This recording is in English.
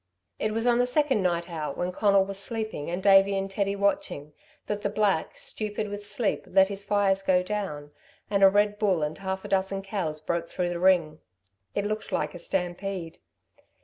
It was on the second night out when Conal was sleeping and Davey and Teddy watching, that the black, stupid with sleep, let his fires go down, and a red bull and half a dozen cows broke through the ring. It looked like a stampede.